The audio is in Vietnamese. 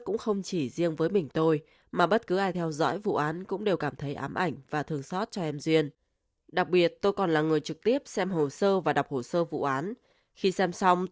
công an tỉnh điện biên chia sẻ